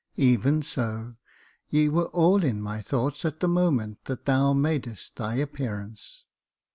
"Even so; ye were all in my thoughts at the moment that thou madest thy appearance.